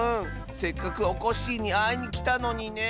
せっかくおこっしぃにあいにきたのにね。